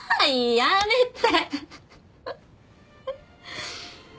やめて！